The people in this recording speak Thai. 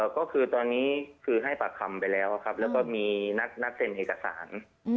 ก็คือตอนนี้คือให้ปากคำไปแล้วครับแล้วก็มีนัดเซ็นเอกสาร